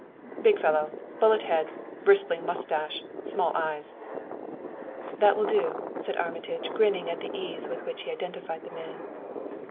"Big fellow; bullet head; bristling mustache; small eyes " "That will do," said Armitage, grinning at the ease with which he identified the man.